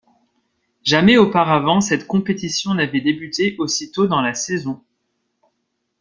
Jamais auparavant cette compétition n'avait débuté aussi tôt dans la saison.